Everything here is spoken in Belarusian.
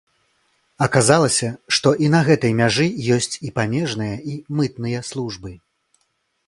Аказалася, што і на гэтай мяжы ёсць і памежныя, і мытныя службы.